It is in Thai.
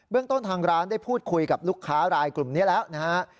เรื่องต้นทางร้านได้พูดคุยกับลูกค้ารายกลุ่มนี้แล้วนะฮะ